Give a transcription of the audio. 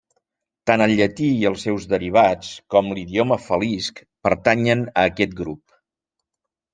Tant el llatí i els seus derivats, com l'idioma falisc pertanyen a aquest grup.